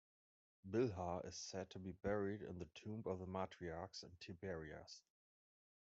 Bilhah is said to be buried in the Tomb of the Matriarchs in Tiberias.